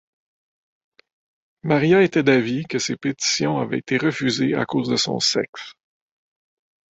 Maria était d'avis que ses pétitions avaient été refusées à cause de son sexe.